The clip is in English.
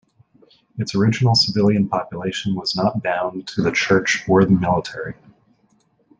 Its original civilian population was not bound to the church or the military.